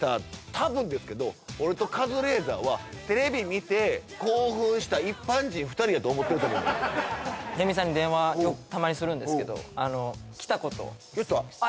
多分ですけど俺とカズレーザーはテレビ見て興奮した一般人２人やと思ってると思うよ逸見さんに電話たまにするんですけど来たこと言った？